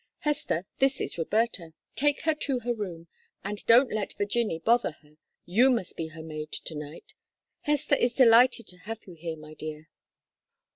Hester, this is Roberta; take her to her room, and don't let Virginie bother her you must be her maid to night. Hester is delighted to have you here, my dear."